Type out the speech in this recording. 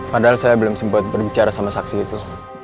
padahal saya belum sempat berbicara sama saksi itu